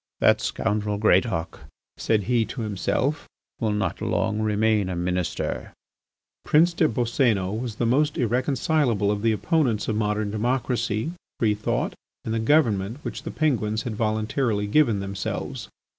"That scoundrel Greatauk," said he to himself, "will, not remain long a Minister." Prince des Boscénos was the most irreconcilable of the opponents of modern democracy, free thought, and the government which the Penguins had voluntarily given themselves.